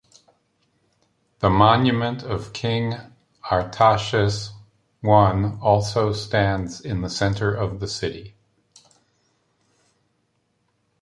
The monument of King Artashes I also stands in the center of the city.